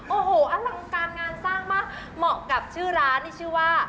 โอ้โหอลังการงานสร้างมากเหมาะกับชื่อร้านที่ชื่อว่า